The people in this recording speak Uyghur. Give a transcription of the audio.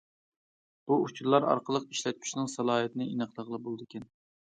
بۇ ئۇچۇرلار ئارقىلىق ئىشلەتكۈچىنىڭ سالاھىيىتىنى ئېنىقلىغىلى بولىدىكەن.